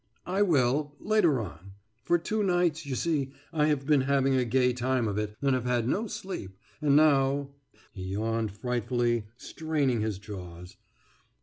»I will ... later on. For two nights, you see, I have been having a gay time of it and have had no sleep, and now....« He yawned frightfully, straining his jaws.